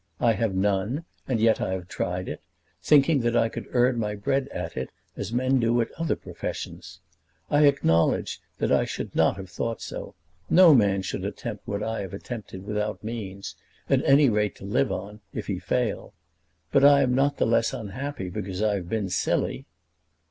I have none; and yet I have tried it, thinking that I could earn my bread at it as men do at other professions. I acknowledge that I should not have thought so. No man should attempt what I have attempted without means, at any rate to live on if he fail; but I am not the less unhappy because I have been silly."